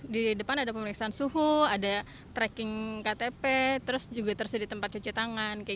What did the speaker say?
di depan ada pemeriksaan suhu ada tracking ktp terus juga tersedia tempat cuci tangan